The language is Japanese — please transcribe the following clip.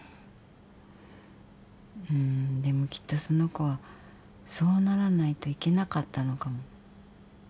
うーんでもきっとその子はそうならないといけなかったのかも。